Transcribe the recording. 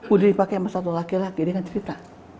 udah dipake sama satu laki laki dia ngecerita